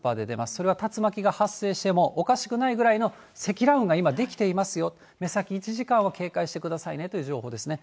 それは竜巻が発生しても、おかしくないぐらいの積乱雲が今出来ていますよ、目先１時間は警戒してくださいねという情報ですね。